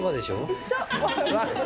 一緒。